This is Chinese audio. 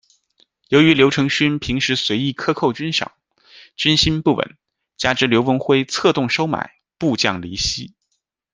由于刘成勋平时随意克扣军饷，军心不稳，加之刘文辉策动收买，部将离析。